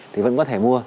thì vẫn có thể mua